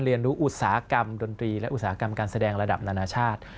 เรียนรู้อุตสาหกรรมดนตรีและอุตสาหกรรมการแสดงระดับนานาชาติ